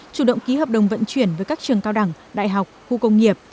chủ động ký hợp đồng vận chuyển với các trường cao đẳng đại học khu công nghiệp